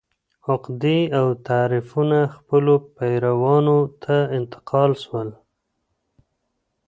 عقدې او تحریفونه خپلو پیروانو ته انتقال سول.